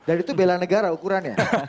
dan itu bela negara ukurannya